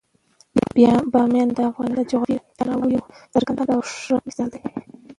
بامیان د افغانستان د جغرافیوي تنوع یو څرګند او ښه مثال دی.